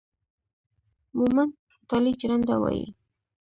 مومند تالي جرنده وايي